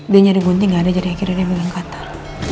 dia nyari gunting gak ada jadi akhirnya dia bilang qatar